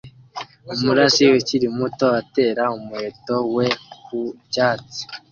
Umurashi ukiri muto atera umuheto we ku cyatsi